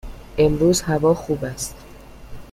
امروز هوا خوب است.